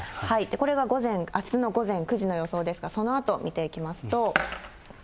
これはあすの午前９時の予想ですが、そのあと見ていきますと。